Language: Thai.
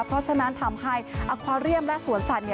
เพราะฉะนั้นทำให้อัควาเรียมและสวนสัตว์